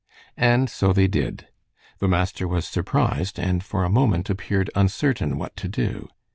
And so they did. The master was surprised, and for a moment appeared uncertain what to do.